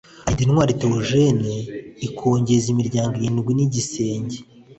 Harindintwari Diogene ikongeza imiryango irindwi n’igisenge